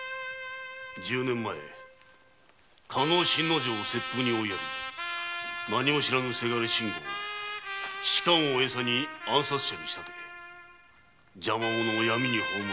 十年前加納信之丞を切腹に追いやり何も知らぬ倅信吾を仕官をエサに暗殺者に仕立て邪魔者を闇に葬る外道の振る舞い！